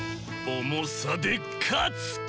おもさでかつ！